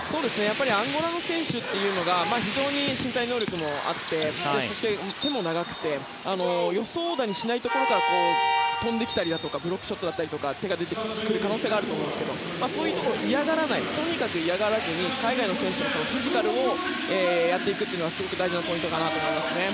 アンゴラの選手は非常に身体能力がありそして、手も長くて予想だにしないところから飛んできたりだとかブロックショットとか手が出てくる可能性があると思うんですがそういうところを嫌がらずに海外の選手に対してフィジカルをやっていくことがすごく大事なポイントだと思います。